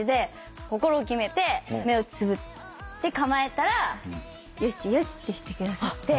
心を決めて目をつぶって構えたらよしよしってしてくださって。